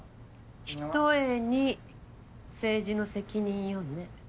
ひとえに政治の責任よね。